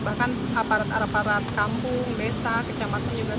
bahkan aparat aparat kampung desa kecamatan juga